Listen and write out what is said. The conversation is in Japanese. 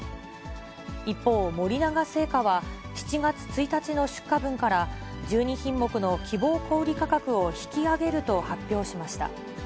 一方、森永製菓は、７月１日の出荷分から、１２品目の希望小売り価格を引き上げると発表しました。